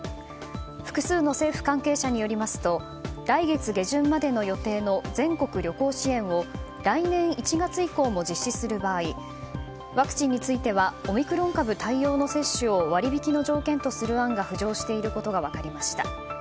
複数の政府関係者によりますと来月下旬までの予定の全国旅行支援を来年１月以降も実施する場合ワクチンについてはオミクロン株対応の接種を割り引きの条件とする案が浮上していることが分かりました。